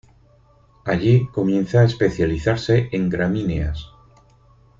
Allí comienza a especializarse en gramíneas.